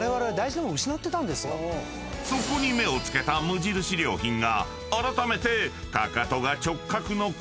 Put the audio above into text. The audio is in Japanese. ［そこに目を付けた無印良品があらためて］